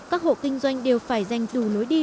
các hộ kinh doanh đều phải dành đủ lối đi